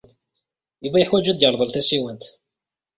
Yuba yeḥwaj ad d-yerḍel tasiwant.